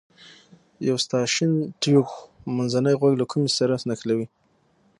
یو ستاشین تیوب منځنی غوږ له کومې سره نښلوي.